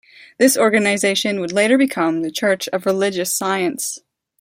This organization would later become the Church of Religious Science.